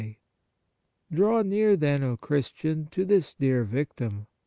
70 Holy Mass Draw near, then, O Christian, to this dear Victim.